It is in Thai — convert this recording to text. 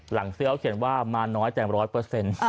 หลังเสื้อเขียนว่ามาน้อยแต่๑๐๐